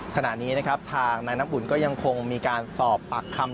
ขณะนี้นะครับทางนายน้ำอุ่นก็ยังคงมีการสอบปากคำ